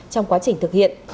trong quá trình thực hiện